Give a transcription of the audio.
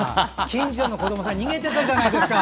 近所の子どもさん逃げてたじゃないですか。